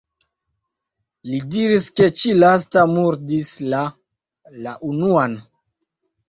Li diris ke ĉi-lasta murdis la la unuan.